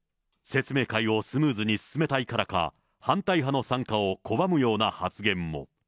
説明会をスムーズに進めたいからか、反対派の参加を拒むような発言も。